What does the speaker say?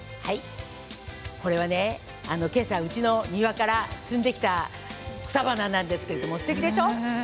これはねけさうちの庭から摘んできた草花なんですけどすてきでしょう？